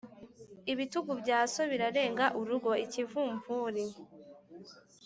Ibitugu bya so birarenga urugo-Ikivumvuri.